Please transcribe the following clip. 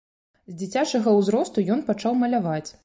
З дзіцячага ўзросту ён пачаў маляваць.